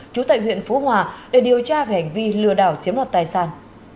trú tại huyện phú hòa để điều tra về hành vi lừa đảo chiếm đoạt tài sản